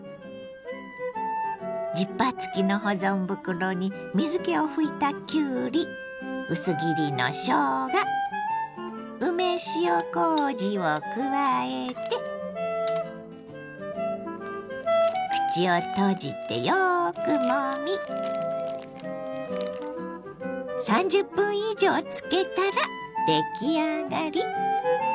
ジッパー付きの保存袋に水けを拭いたきゅうり薄切りのしょうが梅塩こうじを加えて口を閉じてよくもみ３０分以上漬けたら出来上がり。